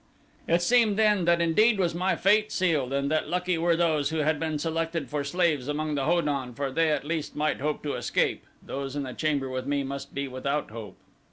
"It seemed then that indeed was my fate sealed and that lucky were those who had been selected for slaves among the Ho don, for they at least might hope to escape those in the chamber with me must be without hope.